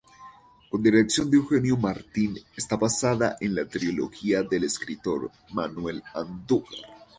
Con dirección de Eugenio Martín, está basada en la trilogía del escritor Manuel Andújar.